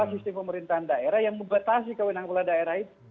sistem pemerintahan daerah yang membatasi kewenangan kepala daerah itu